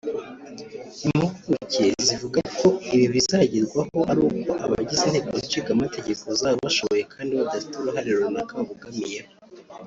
Impuguke zivuga ko ibi bizagerwaho ari uko abagize Inteko nshinga mategeko bazaba bashoboye kandi badafite uruhande runaka babogamiyeho